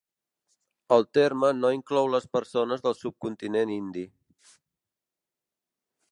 El terme no inclou les persones del subcontinent indi.